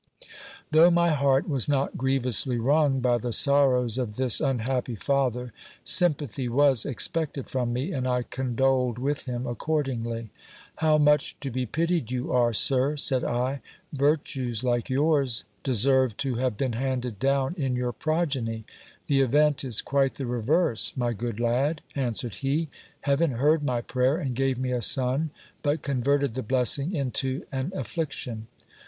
Though my heart was not grievously wrung by the sorrows of this unhappy father, sympathy was expected from me, and I condoled with him accordingly. How much to be pitied you are, sir ! said I. "Virtues like yours deserved to have been handed down in your progeny. The event is quite the reverse, my good lad, answered he. Heaven heard my prayer, and gave me a son, but con verted the blessing into an affliction.